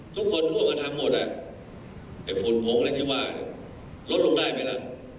ทุกคนพูดว่ากระทบหมดอ่ะฝุ่นโพงอะไรที่ว่ารถลงได้ไหมล่ะ